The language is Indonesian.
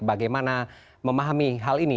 bagaimana memahami hal ini